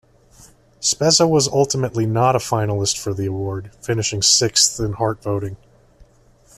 Spezza was ultimately not a finalist for the award, finishing sixth in Hart voting.